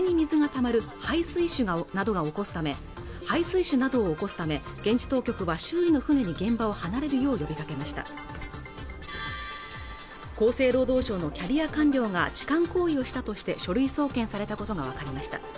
肺水腫などを起こすため現地当局は周囲の船に現場を離れるよう呼びかけました厚生労働省のキャリア官僚が痴漢行為をしたとして書類送検されたことが分かりました